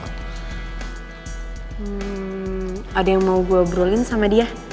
ada yang mau gue brolin sama dia